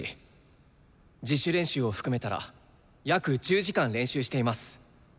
自主練習を含めたら約１０時間練習しています。